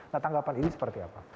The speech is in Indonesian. nah tanggapan ini seperti apa